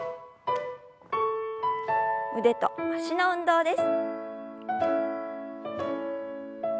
腕と脚の運動です。